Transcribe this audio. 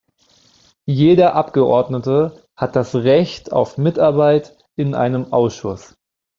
Jeder Abgeordnete hat das Recht auf Mitarbeit in einem Ausschuss.